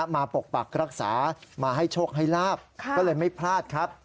ปกปักรักษามาให้โชคให้ลาบก็เลยไม่พลาดครับ